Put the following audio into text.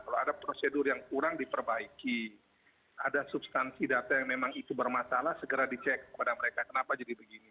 kalau ada prosedur yang kurang diperbaiki ada substansi data yang memang itu bermasalah segera dicek kepada mereka kenapa jadi begini